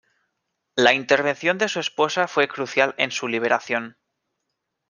La intervención de su esposa fue crucial en su liberación.